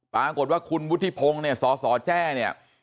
ปรากฏว่าคุณวุฒิพงศ์เนี่ยสสแจ้เนี่ย